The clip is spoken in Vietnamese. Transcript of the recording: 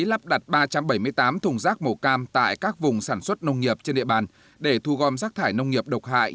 lắp đặt ba trăm bảy mươi tám thùng rác màu cam tại các vùng sản xuất nông nghiệp trên địa bàn để thu gom rác thải nông nghiệp độc hại